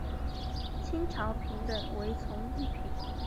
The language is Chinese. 清朝品等为从一品。